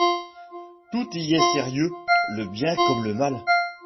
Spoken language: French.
Tout y est sérieux, le bien comme le mal.